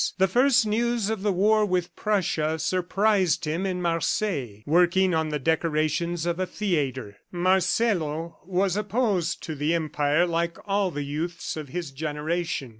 The first news of the war with Prussia surprised him in Marseilles, working on the decorations of a theatre. Marcelo was opposed to the Empire like all the youths of his generation.